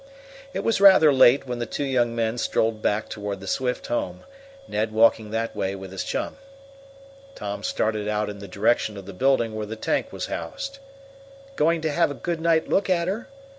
It was rather late when the two young men strolled back toward the Swift home, Ned walking that way with his chum. Tom started out in the direction of the building where the tank was housed. "Going to have a good night look at her?"